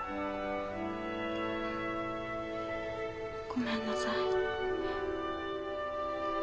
ごめんなさい。